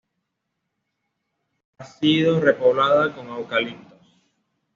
Ha sido repoblada con eucaliptos.